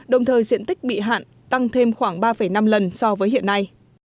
đồng thời diện tích bị hạn tăng thêm khoảng ba năm lần so với hiện nay